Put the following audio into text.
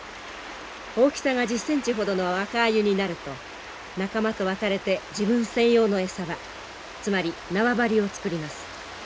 大きさが１０センチほどの若アユになると仲間と別れて自分専用の餌場つまり縄張りを作ります。